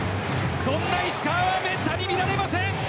そんな石川はめったに見られません。